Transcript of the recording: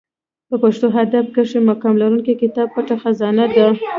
په پښتو ادب کښي مقام لرونکى کتاب پټه خزانه دئ.